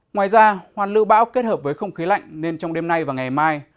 ngoài ra hoàn lưu bão kết hợp với không khí lạnh nên trong đêm nay và ngày mai